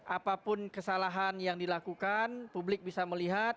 apapun kesalahan yang dilakukan publik bisa melihat